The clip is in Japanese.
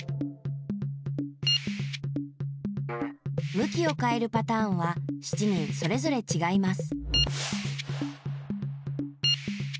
むきをかえるパターンは７人それぞれちがいます。